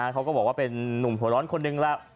เขาก็บอกว่าเป็นนุ่มหัวร้อนคนหนึ่งแล้ว